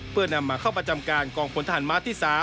เพื่อนำมาเข้าประจำการกองพลทหารม้าที่๓